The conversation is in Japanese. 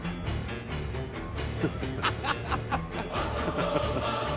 ハハハハ！